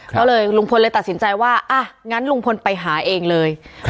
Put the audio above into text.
ก็เลยลุงพลเลยตัดสินใจว่าอ่ะงั้นลุงพลไปหาเองเลย